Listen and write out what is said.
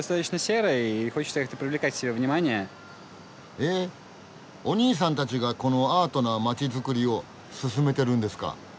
えっおにいさんたちがこのアートな街づくりを進めてるんですか？